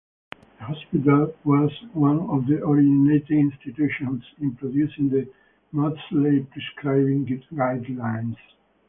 The hospital was one of the originating institutions in producing the "Maudsley Prescribing Guidelines".